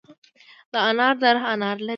د انار دره انار لري